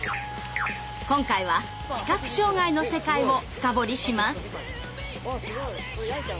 今回は「視覚障害」の世界を深掘りします！